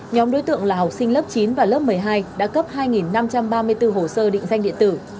nhóm đối tượng là học sinh lớp chín và lớp một mươi hai đã cấp hai năm trăm ba mươi bốn hồ sơ định danh điện tử